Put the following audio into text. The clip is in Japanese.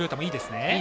いいですね。